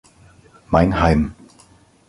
Mein Heim.